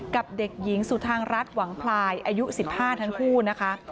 กับเด็กหญิงสุธางรัฐหวังพลายอายุ๑๕ทั้งคู่นะคะ